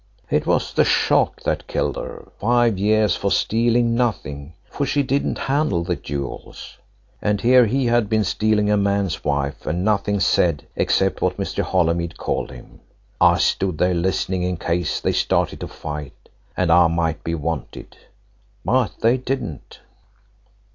It was the shock that killed her. Five years for stealing nothing, for she didn't handle the jewels. And here he had been stealing a man's wife and nothing said except what Mr. Holymead called him. I stood there listening in case they started to fight, and I might be wanted. But they didn't.